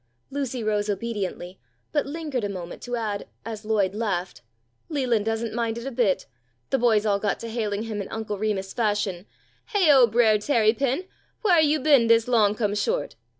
Lucy rose obediently, but lingered a moment to add, as Lloyd laughed, "Leland doesn't mind it a bit. The boys all got to hailing him in Uncle Remus fashion, 'Heyo, Brer Tarrypin, wha'r you bin dis long come short?'